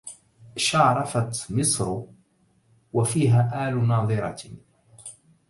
شارفت مصر وفيها آل ناضرة